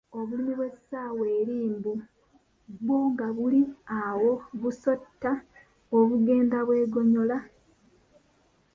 Obulimi bw’essaawa eri mbu bwo nga buli awo busota obugenda bwegonyola!